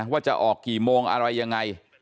ว่าจะออกกี่โมงอะไรยังไง